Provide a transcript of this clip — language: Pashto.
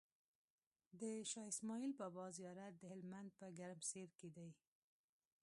د شاهاسماعيل بابا زيارت دهلمند په ګرمسير کی دی